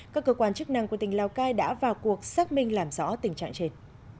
các cơ quan chức năng của tỉnh lào cai đã vào cuộc xác minh làm rõ tình trạng trên